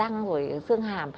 răng rồi xương hàm